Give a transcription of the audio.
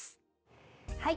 はい。